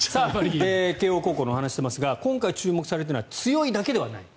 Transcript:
慶応高校の話をしてますが今回注目されているのが強いだけではない。